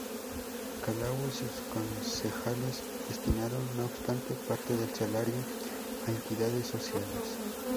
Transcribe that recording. Colau y sus concejales destinaron, no obstante, parte del salario a entidades sociales.